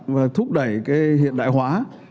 và thúc đẩy cái hiện đại hóa